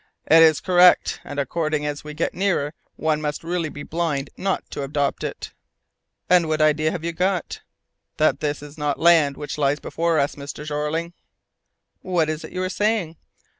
"It is correct, and according as we get nearer one must really be blind not to adopt it!" "And what idea have you got?" "That it is not land which lies before us, Mr. Jeorling!" "What is it you are saying?"